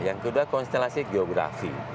yang kedua konstelasi geografi